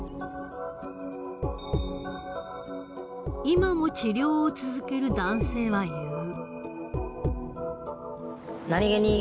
今も治療を続ける男性は言う。